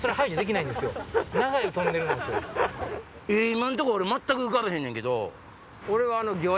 今んとこ俺全く浮かべへんねんけど。